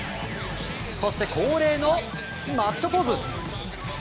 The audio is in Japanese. そして、恒例のマッチョポーズ。